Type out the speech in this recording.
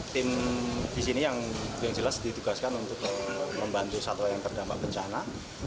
tim di sini yang jelas ditugaskan untuk membantu satwa yang terdampak bencana